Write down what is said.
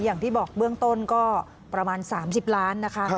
อย่างที่บอกเบื้องต้นก็ประมาณ๓๐ล้านนะคะ